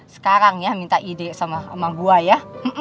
sekarang ya minta ide sama gue ya